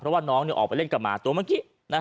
เพราะว่าน้องออกไปเล่นกับหมาตัวเมื่อกี้